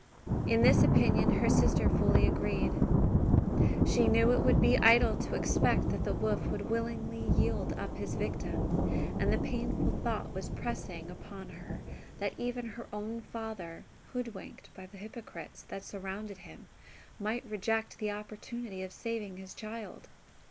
In this opinion her sister fully agreed. She knew it would be idle to expect that the wolf would willingly yield up his victim; and the painful thought was pressing upon her that even her own father, hoodwinked by the hypocrites that surrounded him, might reject the opportunity of saving his child!